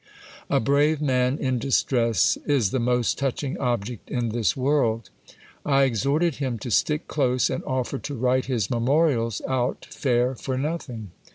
A brave man in distress is the most touching object in this world. I ex horted him to stick close, and offered to write his memorials out fair for nothing.